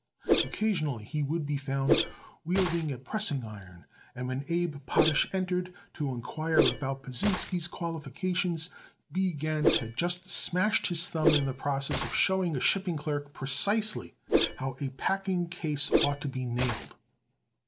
Occasionally he would be found wielding a pressing iron, and when Abe Potash entered to inquire about Pasinsky's qualifications B. Gans had just smashed his thumb in the process of showing a shipping clerk precisely how a packing case ought to be nailed.